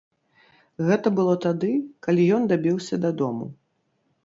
Гэта было тады, калі ён дабіўся дадому.